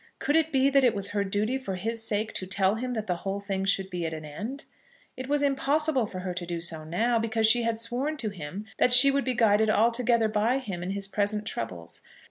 Could it be that it was her duty, for his sake, to tell him that the whole thing should be at an end? It was impossible for her to do so now, because she had sworn to him that she would be guided altogether by him in his present troubles.